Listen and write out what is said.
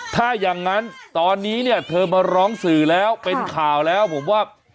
ถ้าอย่างนั้นตอนนี้เนี่ยเธอมาร้องสื่อแล้วเป็นข่าวแล้วผมว่า